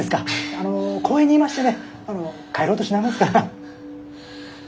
あの公園にいましてね帰ろうとしないものですから。